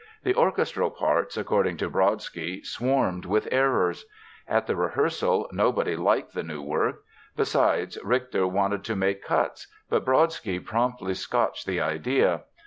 The orchestral parts, according to Brodsky, "swarmed with errors." At the rehearsal nobody liked the new work. Besides, Richter wanted to make cuts, but Brodsky promptly scotched the idea.